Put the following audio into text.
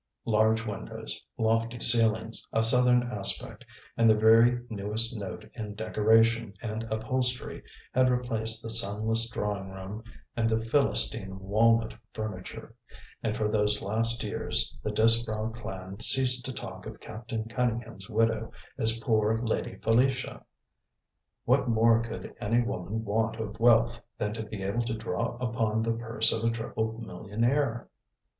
Large windows, lofty ceilings, a southern aspect, and the very newest note in decoration and upholstery had replaced the sunless drawing room and the Philistine walnut furniture, and for those last years the Disbrowe clan ceased to talk of Captain Cunningham's widow as poor Lady Felicia. What more could any woman want of wealth, than to be able to draw upon the purse of a triple millionaire?